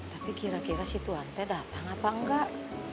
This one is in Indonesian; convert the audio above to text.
tapi kira kira si tuan teh datang apa enggak